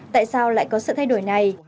tại sao lại có sự thay đổi này